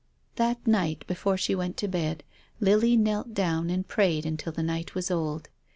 That night, before she went to bed, Lily knelt down and prayed until the night was old.